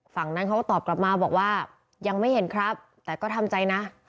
ฝั่งนั้นเขาก็ตอบกลับมาบอกว่ายังไม่เห็นครับแต่ก็ทำใจนะ